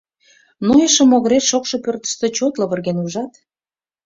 Нойышо могырет шокшо пӧртыштӧ чот лывырген, ужат?!